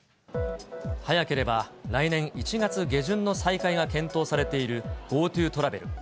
早ければ来年１月下旬の再開が検討されているＧｏＴｏトラベル。